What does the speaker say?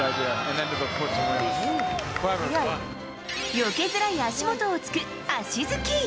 よけづらい足元を突く、足突き。